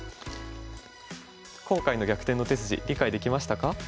今回の「逆転の手筋」理解できましたか？